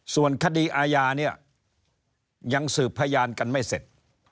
ส่วนคดีอาญาเนี่ยยังสืบพยานกันไม่เสร็จ